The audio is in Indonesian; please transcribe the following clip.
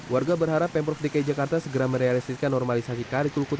warga berharap pemprov dki jakarta segera merealistiskan normalisasi kali kerukut